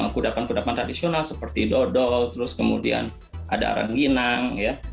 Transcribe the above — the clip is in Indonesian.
kudapan kudapan tradisional seperti dodol terus kemudian ada arang ginang ya